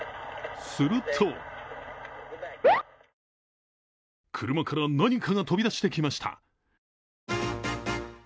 すると車から何かが飛び出してきました。